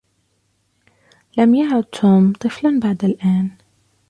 لم يعد توم طفلا بعد الآن.